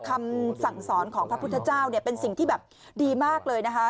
คำสั่งสอนของพระพุทธเจ้าเนี่ยเป็นสิ่งที่แบบดีมากเลยนะคะ